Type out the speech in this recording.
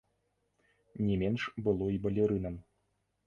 Не менш было і балерынам.